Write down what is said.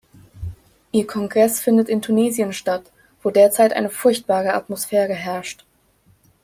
Ihr Kongress findet in Tunesien statt, wo derzeit eine furchtbare Atmosphäre herrscht.